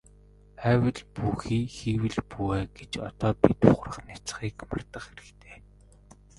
АЙвал бүү хий, хийвэл бүү ай гэж одоо бид ухрах няцахыг мартах хэрэгтэй.